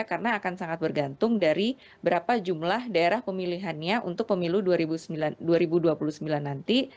karena akan sangat bergantung dari berapa jumlah daerah pemilihannya untuk pemilu dua ribu dua puluh sembilan nanti